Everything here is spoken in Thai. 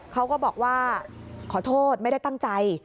เขาก็บอกว่าขอโทษไม่ได้ตั้งใจ